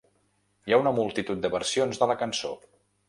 Hi ha una multitud de versions de la cançó.